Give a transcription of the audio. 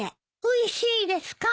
おいしいですか？